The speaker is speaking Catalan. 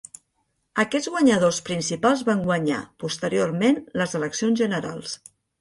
Aquests guanyadors principals van guanyar, posteriorment, les eleccions generals.